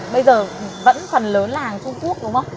bây giờ vẫn phần lớn là hàng trung quốc đúng không